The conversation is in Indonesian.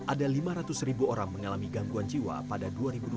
ada lima ratus ribu orang mengalami gangguan jiwa pada dua ribu dua puluh